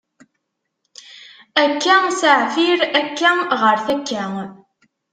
Akka s aɛfir, akka ɣeṛ takka.